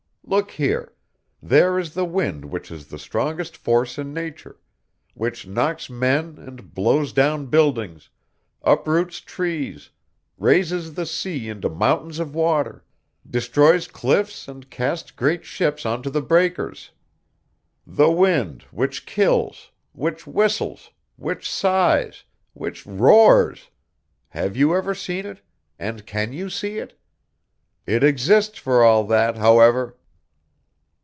Look here; there is the wind which is the strongest force in nature, which knocks men, and blows down buildings, uproots trees, raises the sea into mountains of water, destroys cliffs and casts great ships onto the breakers; the wind which kills, which whistles, which sighs, which roars have you ever seen it, and can you see it? It exists for all that, however!"